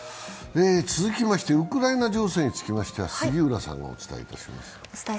続きまして、ウクライナ情勢については杉浦さんがお伝えします。